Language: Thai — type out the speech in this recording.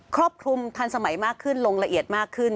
ครอบคลุมทันสมัยมากขึ้นลงละเอียดมากขึ้น